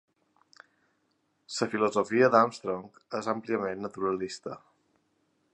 La filosofia d'Armstrong és àmpliament naturalista.